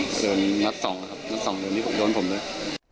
เกิดนัดสองครับนัดสองเดี๋ยวนี้โดนผมด้วย